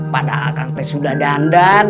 padahal kan teh sudah dandan